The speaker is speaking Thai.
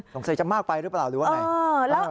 สงสัยจะมากไปหรือเปล่าหรือว่าไง